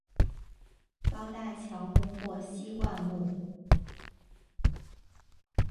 高大乔木或稀灌木。